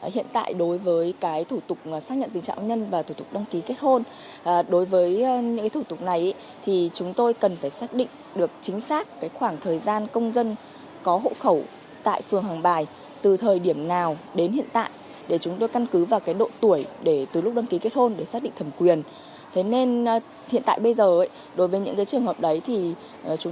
hiện tại bây giờ đối với những trường hợp đấy chúng tôi cũng chưa được chia sẻ trường dữ liệu đấy thế nên là bắt buộc phải phối hợp phát minh với bên công an